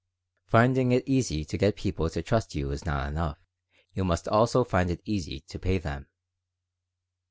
"Finding it easy to get people to trust you is not enough. You must also find it easy to pay them."